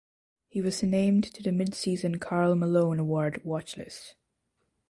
He was named to the midseason Karl Malone Award watchlist.